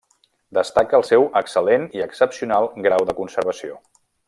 Destaca el seu excel·lent i excepcional grau de conservació.